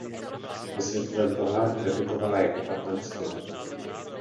Ve Světovém poháru debutovala jako patnáctiletá.